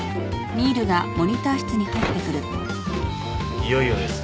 いよいよですね。